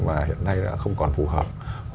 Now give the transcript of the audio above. mà hiện nay đã không còn phù hợp với các nền kinh tế